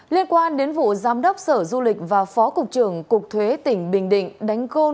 liên quan đến vụ giám đốc sở du lịch và phó cục trưởng cục thuế tỉnh bình định đánh gôn